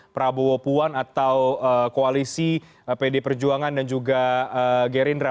prabowo puan atau koalisi pd perjuangan dan juga gerindra